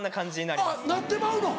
なってまうの。